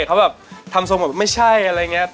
เขาแบบทำทรงแบบไม่ใช่อะไรอย่างนี้